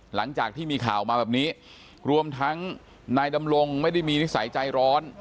หลังจากที่มีข่าวมาแบบนี้รวมทั้งนายดำรงไม่ได้มีนิสัยใจร้อน